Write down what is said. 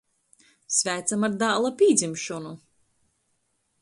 Sveicam ar dāla pīdzimšonu!